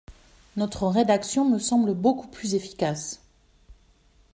Notre rédaction me semble beaucoup plus efficace.